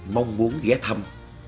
mong muốn ghé thăm